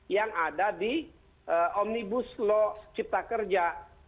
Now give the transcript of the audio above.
yang ada di omnibus law cipta kerja